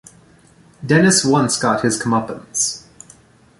Dennis once got his comeuppance.